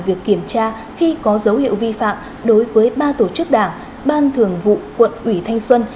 việc kiểm tra khi có dấu hiệu vi phạm đối với ba tổ chức đảng ban thường vụ quận ủy thanh xuân